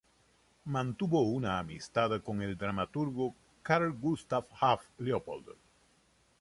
Mantuvo una amistad con el dramaturgo Carl Gustaf af Leopold.